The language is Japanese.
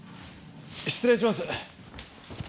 失礼します。